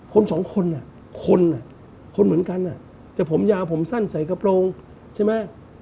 คนสองคนคนเหมือนกันจะผมยาวผมสั้นใส่กระโปรงใช่ไหม